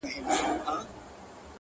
که بارونه په پسونو سي څوک وړلای!